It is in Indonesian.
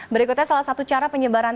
berikutnya salah satu cara penyebaran